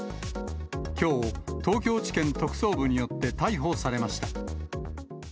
きょう、東京地検特捜部によって逮捕されました。